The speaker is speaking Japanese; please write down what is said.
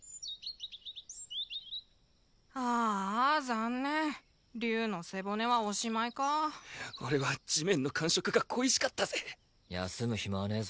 ああ残念竜の背骨はおしまいか俺は地面の感触が恋しかったぜ休む暇はねえ